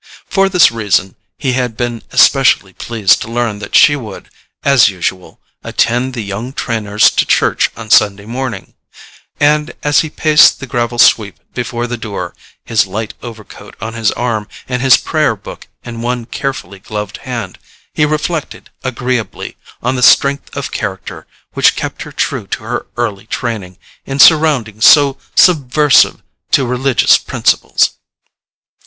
For this reason he had been especially pleased to learn that she would, as usual, attend the young Trenors to church on Sunday morning; and as he paced the gravel sweep before the door, his light overcoat on his arm and his prayer book in one carefully gloved hand, he reflected agreeably on the strength of character which kept her true to her early training in surroundings so subversive to religious principles.